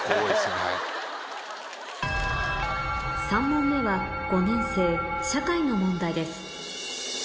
３問目は５年生社会の問題です